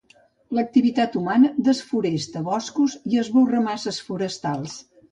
L'activitat humana desforesta boscos i esborra masses forestals.